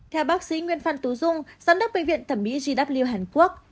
theo bác sĩ nguyễn phan tú dung giám đốc bệnh viện thẩm mỹ gw hàn quốc